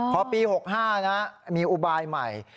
พอปี๖๕นะมีอุบายใหม่